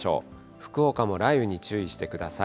福岡も雷雨に注意してください。